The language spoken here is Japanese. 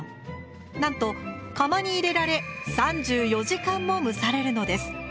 なんと釜に入れられ３４時間も蒸されるのです。